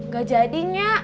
gak jadi nya